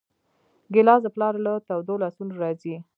ګیلاس د پلار له تودو لاسونو راځي.